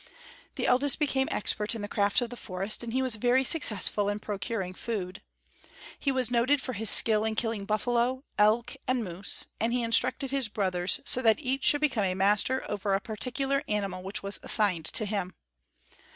The eldest became expert in the craft of the forest, and he was very successful in procuring food. He was noted for his skill in killing buffalo, elk, and moose; and he instructed his brothers, so that each should become a master over a particular animal which was assigned to him.